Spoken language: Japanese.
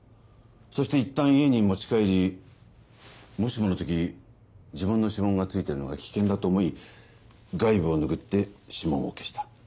そしていったん家に持ち帰りもしもの時自分の指紋がついてるのは危険だと思い外部を拭って指紋を消した。